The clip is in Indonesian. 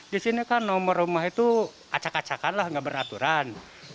di sini kan nomor rumah itu acak acakan lah nggak beraturan